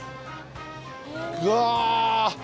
うわ！